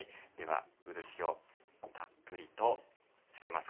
漆をたっぷりとつけます。